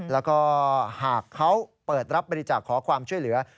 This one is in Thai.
แล้วก็หากเขาเปิดรับบริจาคขอความช่วยเหลือ